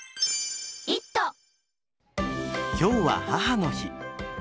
今日は母の日。